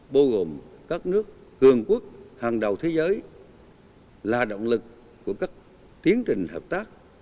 bao gồm các nước cường quốc hàng đầu thế giới là động lực của các tiến trình hợp tác